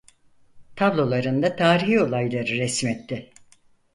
Tablolarında tarihî olayları resmetti.